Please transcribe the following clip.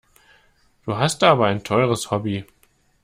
Du hast da aber ein teures Hobby.